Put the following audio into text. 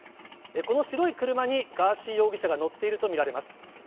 この白い車に、ガーシー容疑者が乗っていると見られます。